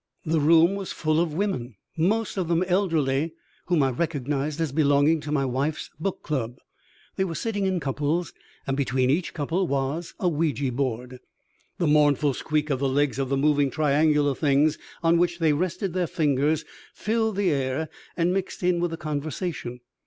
The room was full of women most of them elderly whom I recognized as belonging to my wife's Book Club. They were sitting in couples, and between each couple was a Ouija board! The mournful squeak of the legs of the moving triangular things on which they rested their fingers filled the air and mixed in with the conversation.